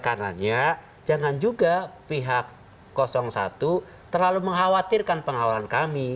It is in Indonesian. karenanya jangan juga pihak satu terlalu mengkhawatirkan pengawalan kami